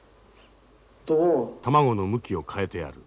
卵の向きを変えてやる。